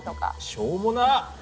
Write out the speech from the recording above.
しょうもな！